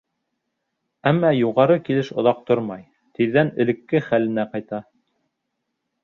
Әммә юғары килеш оҙаҡ тормай, тиҙҙән элекке хәленә ҡайта.